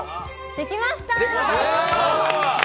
できました。